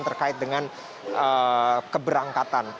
terkait dengan keberangkatan